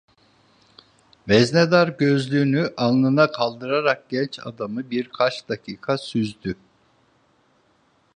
Veznedar gözlüğünü alnına kaldırarak genç adamı birkaç dakika süzdü.